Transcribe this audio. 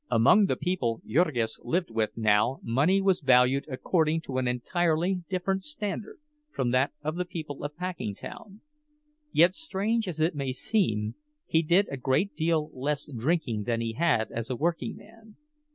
Among the people Jurgis lived with now money was valued according to an entirely different standard from that of the people of Packingtown; yet, strange as it may seem, he did a great deal less drinking than he had as a workingman.